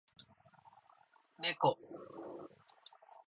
ねこ